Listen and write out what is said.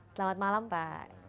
selamat malam pak